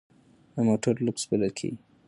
دا موټر لوکس بلل کیږي.